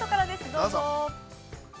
どうぞ。